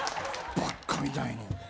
ばっかみたいに。